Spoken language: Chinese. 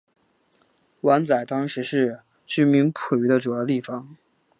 湾仔当时是居民捕鱼的主要地方。